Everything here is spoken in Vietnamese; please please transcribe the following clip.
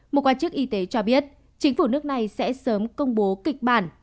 một quan chức y tế cho biết chính phủ nước này sẽ sớm công bố kịch bản